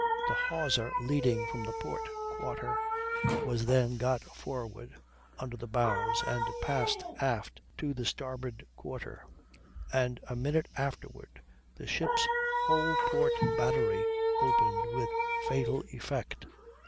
The hawser leading from the port quarter was then got forward under the bows and passed aft to the starboard quarter, and a minute afterward the ship's whole port battery opened with fatal effect.